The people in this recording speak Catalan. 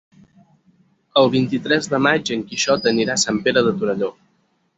El vint-i-tres de maig en Quixot anirà a Sant Pere de Torelló.